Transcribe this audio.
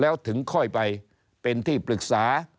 แล้วถึงค่อยไปเป็นที่ปรึกษา